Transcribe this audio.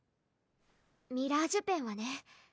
ミラージュペンはね